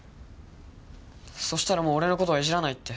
そしたらもう俺の事はイジらないって。